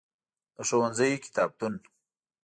د ښوونځی کتابتون.